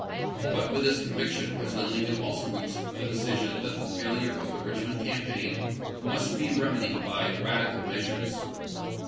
But with this conviction President Lincoln also reached the decision that the failure of the Richmond campaign must be remedied by radical measures.